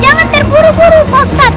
jangan terburu buru ustadz